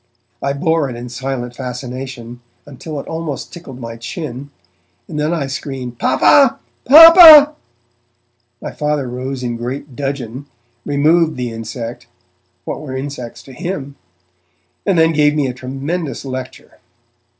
I bore it in silent fascination until it almost tickled my chin, and then I screamed 'Papa! Papa!' My Father rose in great dudgeon, removed the insect (what were insects to him!) and then gave me a tremendous lecture.